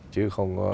chứ không có